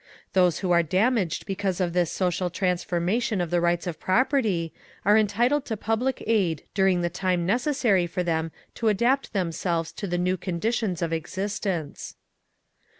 Those who are damaged because of this social transformation of the rights of property are entitled to public aid during the time necessary for them to adapt themselves to the new conditions of existence.